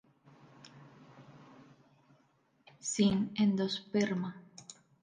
Sin endosperma.